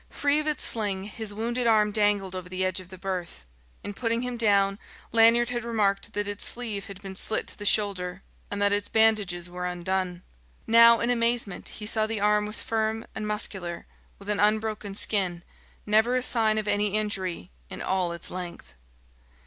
Free of its sling, his wounded arm dangled over the edge of the berth. In putting him down, Lanyard had remarked that its sleeve had been slit to the shoulder, and that its bandages were undone. Now, in amazement, he saw the arm was firm and muscular, with an unbroken skin, never a sign of any injury in all its length.